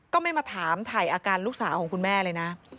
ก็ไม่มาถามถ่ายอาการลูกสาวของคุณแม่เลยนะ